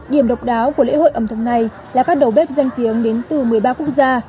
điểm độc đáo của lễ hội ẩm thực này là các đầu bếp danh tiếng đến từ một mươi ba quốc gia